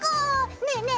ねえねえ！